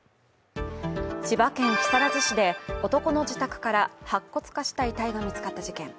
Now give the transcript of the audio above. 千葉県木更津市で男の自宅から白骨化した遺体が見つかった事件。